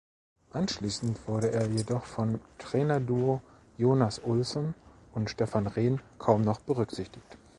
Anschließend wurde er jedoch vom Trainerduo Jonas Olsson und Stefan Rehn kaum noch berücksichtigt.